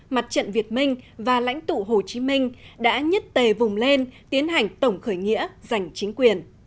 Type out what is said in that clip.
mặt trận việt minh và lãnh tụ hồ chí minh đã nhất tề vùng lên tiến hành tổng khởi nghĩa giành chính quyền